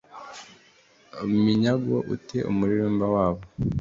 minyago u te umururumba wabo